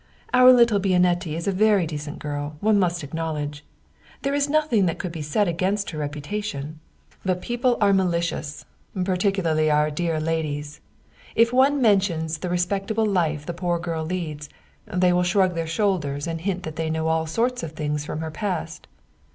Our little Bianetti is a very decent girl, one must acknowledge. There is nothing that 84 Wilhelm Hauff could be said against her reputation. But people are ma licious, particularly our dear ladies. If one mentions the respectable life the poor girl leads, they will shrug their shoulders and hint that they know of all sorts of things from her past.